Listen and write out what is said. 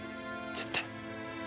絶対。